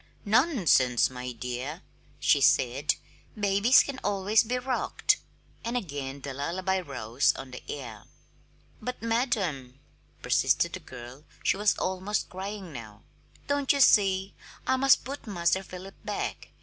"Nonsense, my dear!" she said; "babies can always be rocked!" And again the lullaby rose on the air. "But, madam," persisted the girl she was almost crying now "don't you see? I must put Master Philip back.